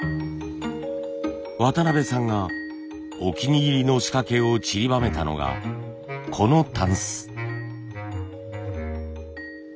渡邊さんがお気に入りの仕掛けをちりばめたのがこのタンス。